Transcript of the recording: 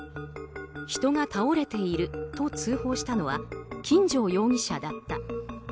人が倒れていると通報したのは金城容疑者だった。